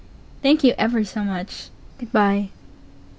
Thank you ever so much. good by.